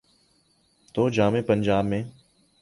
تو جامعہ پنجاب میں۔